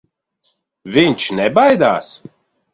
Viņš nebaidās.